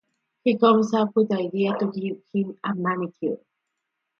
He comes up with the idea to give him a manicure.